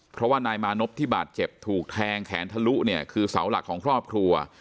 เพราะว่านายมานพที่บาดเจ็บถูกแทงแขนทะลุเนี่ยคือเสาหลักของครอบครัว